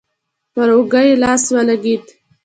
پر اوږه يې لاس ولګېد.